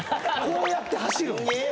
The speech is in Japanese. こうやって走るん？